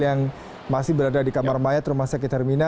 yang masih berada di kamar mayat rumah sakit hermina